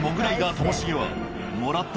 ともしげはもらった